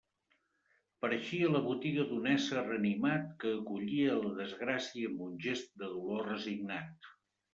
Pareixia la botiga d'un ésser animat que acollia la desgràcia amb un gest de dolor resignat.